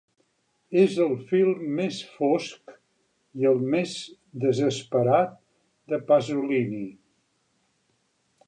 És el film més fosc i el més desesperat de Pasolini.